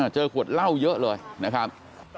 เจอขวดเหล้าเยอะเลยนะครับ